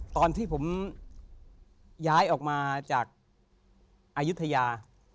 ตอนที่ผมย้ายออกมาจากอายุทยา